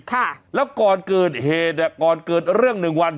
ค่ะแล้วก่อนเกิดเหตุอ่ะก่อนเกิดเรื่องหนึ่งวัน